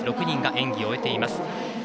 ６人が演技を終えています。